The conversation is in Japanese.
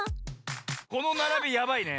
このならびやばいね。